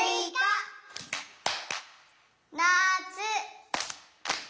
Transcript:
「なつ」。